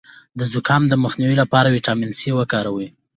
د زکام د مخنیوي لپاره ویټامین سي وکاروئ